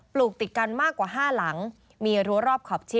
ลูกติดกันมากกว่า๕หลังมีรั้วรอบขอบชิด